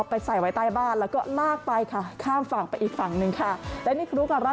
โปรดติดตามตอนต่อไป